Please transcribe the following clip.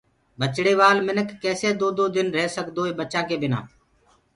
ٻچڙيوال مِنک ڪيسي دو دو دن ريه سگدوئيٚ ٻچآئينٚ بنآ